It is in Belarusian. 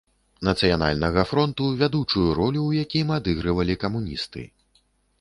Нацыянальнага фронту, вядучую ролю ў якім адыгрывалі камуністы.